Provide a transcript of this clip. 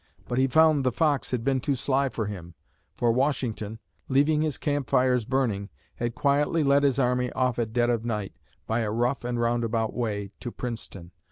But he found the "fox" had been too sly for him, for Washington, leaving his camp fires burning, had quietly led his army off at dead of night, by a rough and roundabout way, to Princeton.